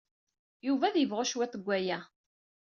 Yuba ad yebɣu cwiṭ seg waya.